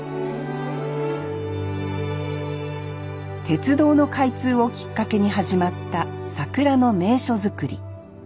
鉄道の開通をきっかけに始まった桜の名所作り。